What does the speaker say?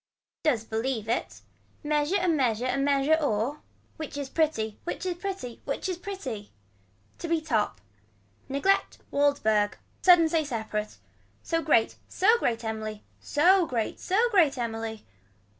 Does believe it. Measure a measure a measure or. Which is pretty which is pretty which is pretty. To be top. Neglect Waldberg. Sudden say separate. So great so great Emily. Sew grate sew grate Emily.